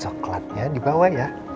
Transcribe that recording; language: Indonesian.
coklatnya dibawa ya